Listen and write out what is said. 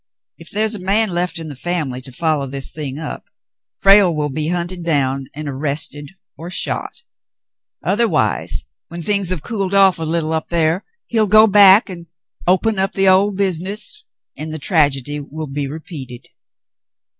If there's a man left in the family to follow this thing up, Frale will be hunted down and arrested or shot; otherwise, when things have cooled off a little up there, he will go back and open up the old business, and the tragedy will be repeated.